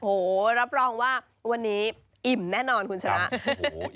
โอ้โหรับรองว่าวันนี้อิ่มแน่นอนคุณชนะโอ้โห